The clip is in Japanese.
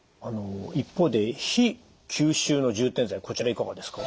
一方で非吸収の充填剤こちらいかがですか？